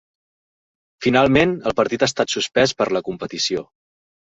Finalment, el partit ha estat suspès per la competició.